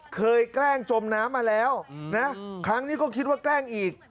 แกล้งจมน้ำมาแล้วนะครั้งนี้ก็คิดว่าแกล้งอีก